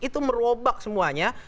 itu merobak semuanya